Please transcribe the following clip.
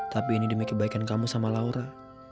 tapi ini demi kebaikan kamu sama laura